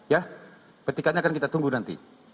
ya petikannya akan kita tunggu nanti